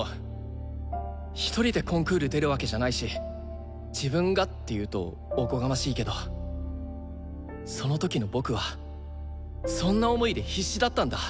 一人でコンクール出るわけじゃないし「自分が」っていうとおこがましいけどその時の僕はそんな思いで必死だったんだ。